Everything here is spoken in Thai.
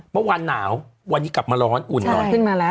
เมื่อวานหนาววันนี้กลับมาร้อนอุ่นหน่อยขึ้นมาแล้ว